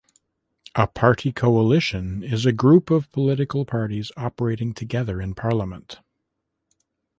A party coalition is a group of political parties operating together in parliament.